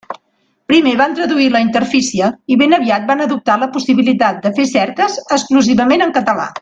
Primer van traduir la interfície i ben aviat van adoptar la possibilitat de fer cerques exclusivament en català.